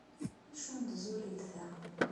Acu n tzulelt-a?